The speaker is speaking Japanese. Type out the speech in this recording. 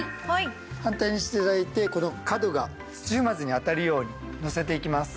反対にして頂いてこの角が土踏まずに当たるようにのせていきます。